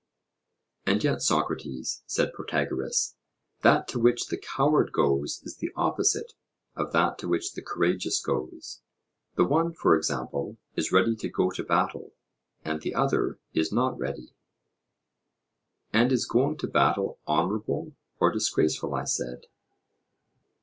And yet, Socrates, said Protagoras, that to which the coward goes is the opposite of that to which the courageous goes; the one, for example, is ready to go to battle, and the other is not ready. And is going to battle honourable or disgraceful? I said.